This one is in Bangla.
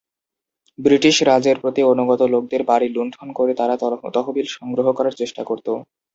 ব্রিটিশ রাজের প্রতি অনুগত লোকদের বাড়ি লুণ্ঠন করে তারা তহবিল সংগ্রহ করার চেষ্টা করত।